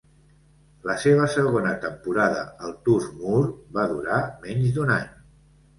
La seva segona temporada al Turf Moor va durar menys d'un any